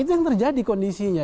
itu yang terjadi kondisinya